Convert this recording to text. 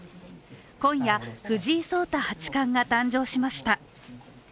今夜、藤井聡太八冠が誕生しました。